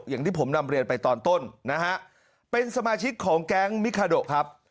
อย่างที่ผมนำเรียนไปตอนต้นนะฮะเป็นสมาชิกของแก๊งมิคาโดครับ